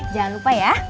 jangan lupa ya